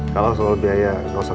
kalau soal biaya nggak usah khawatir